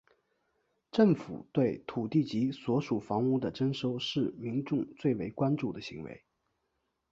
政府对土地及所属房屋的征收是民众最为关注的行为。